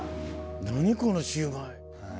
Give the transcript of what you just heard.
何このシュウマイ！